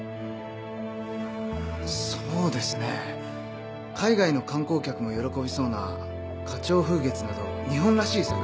そうですね海外の観光客も喜びそうな「花鳥風月」など日本らしい作品にしてみては？